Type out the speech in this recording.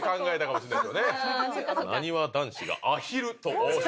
なにわ男子がアヒルと大勝負。